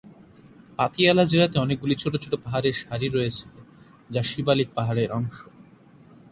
পাতিয়ালা জেলাতে অনেকগুলি ছোট ছোট পাহাড়ের সারি রয়েছে যা শিবালিক পাহাড়ের অংশ।